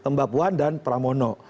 mbapuan dan pramono